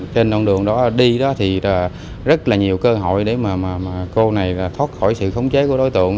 trên đoạn đường đó đi đó thì rất là nhiều cơ hội để mà cô này thoát khỏi sự khống chế của đối tượng